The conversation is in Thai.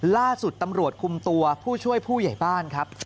ล่าสุดตำรวจคุมตัวผู้ช่วยผู้ใหญ่บ้านครับ